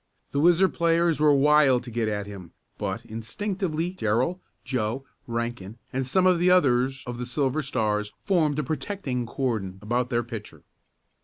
The Whizzer players were wild to get at him, but, instinctively Darrell, Joe, Rankin, and some of the others of the Silver Stars formed a protecting cordon about their pitcher.